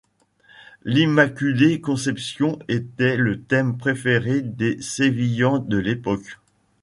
L'Immaculée Conception était le thème préféré des Sévillans de l'époque.